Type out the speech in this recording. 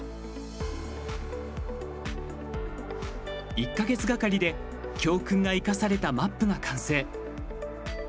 １か月がかりで教訓が生かされたマップが完成。